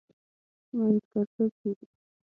منځګړتوب کېږي.